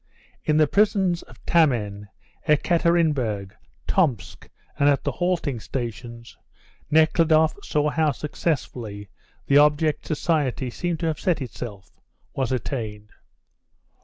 In the prisons of Tamen, Ekaterinburg, Tomsk and at the halting stations Nekhludoff saw how successfully the object society seemed to have set itself was attained.